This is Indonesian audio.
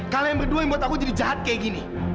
kalian berdua yang buat aku jadi jahat kayak gini